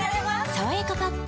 「さわやかパッド」